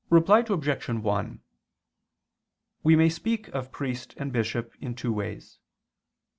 Reply Obj. 1: We may speak of priest and bishop in two ways.